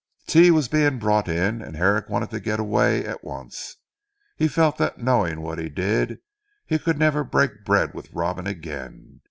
Tea was being brought in, and Herrick wanted to get away at once. He felt that knowing what he did, he could never break bread with Robin again.